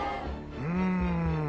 うん。